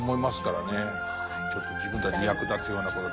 ちょっと自分たちに役立つようなこと